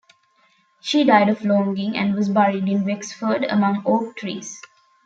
She died of longing and was buried in Wexford among oak trees.